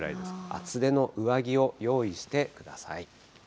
厚手の上着を用意してください。